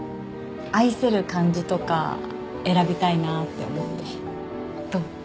愛せる感じとか選びたいなって思ってどう？